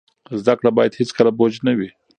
زده کړه باید هیڅکله بوج نه وي.